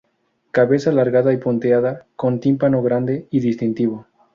Cabeza alargada y punteada, con tímpano grande y distintivo.